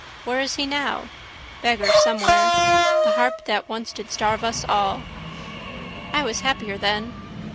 Where is he now? Beggar somewhere. The harp that once did starve us all. I was happier then.